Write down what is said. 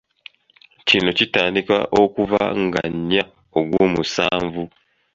Kino kitandika okuva nga nnya Ogwomusanvu.